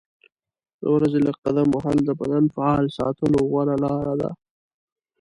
د ورځې لږ قدم وهل د بدن فعال ساتلو غوره لاره ده.